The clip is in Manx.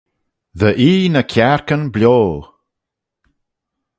Dy ee ny kiarkyn bio.